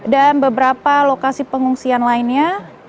dan beberapa lokasi pengungsian lainnya